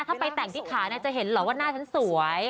ถ้าไปแต่งที่ขาจะเห็นเหรอว่าหน้าฉันสวย